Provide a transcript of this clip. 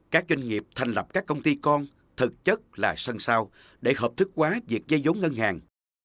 các doanh nghiệp thành lập các công ty con thực chất là sân sao để hợp thức quá việc dây giống ngân hàng